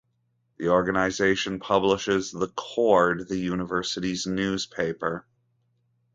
The organization publishes "The Cord," the university's newspaper.